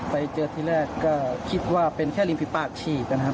ไปเจอที่แรกก็คิดว่าเป็นแค่ริมฝีปากฉีกนะครับ